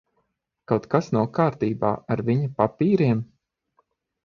Kaut kas nav kārtībā ar viņa papīriem?